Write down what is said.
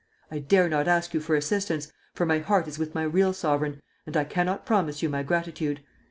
I dare not ask you for assistance, for my heart is with my real sovereign, and I cannot promise you my gratitude.